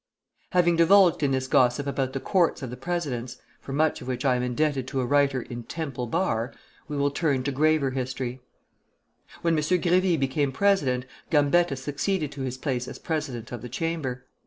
Having indulged in this gossip about the courts of the presidents (for much of which I am indebted to a writer in "Temple Bar"), we will turn to graver history. When M. Grévy became president, Gambetta succeeded to his place as president of the Chamber.